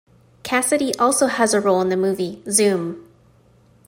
Cassidy also has a role in the movie "Zoom".